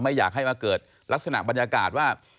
ไม่อยากให้มาเกิดลักษณะบรรยากาศว่า